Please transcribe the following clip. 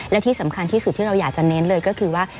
และที่สำคัญที่สุดที่เราอยากจะเน้นเลยก็คือว่า